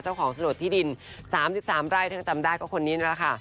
เจ้าของสะดดที่ดิน๓๓ไร่ถึงจำได้ก็คนนี้นั่นล่ะค่ะ